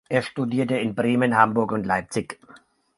Er studierte in Bremen, Hamburg und Leipzig.